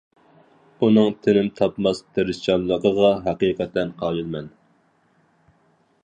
ئۇنىڭ تىنىم تاپماس تىرىشچانلىقىغا ھەقىقەتەن قايىلمەن.